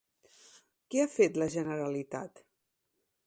Què ha fet a la Generalitat?